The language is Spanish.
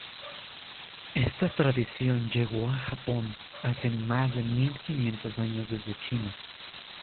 Esta tradición llegó a Japón hace más de mil quinientos años desde China.